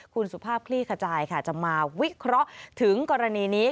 คุณสุภาพคลี่ขจายค่ะจะมาวิเคราะห์ถึงกรณีนี้